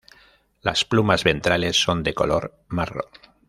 Las plumas ventrales son de color marrón.